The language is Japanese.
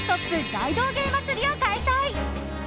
大道芸祭りを開催。